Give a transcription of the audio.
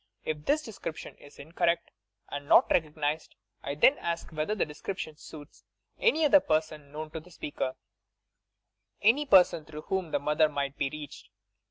If this description is incorrect and not recognized, I then ask whether the description suits any other person known to the speaker — any person through whom the mother might be reached.